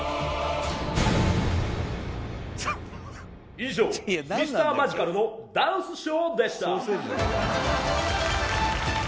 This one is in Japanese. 以上Ｍｒ．マジカルのダンスショーでした。